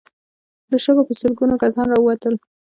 له شګو په سلګونو کسان را ووتل.